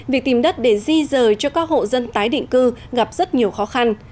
việc tìm đất để di rời cho các hộ dân tái định cư gặp rất nhiều khó khăn